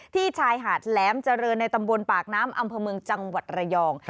ชายหาดแหลมเจริญในตำบลปากน้ำอำเภอเมืองจังหวัดระยอง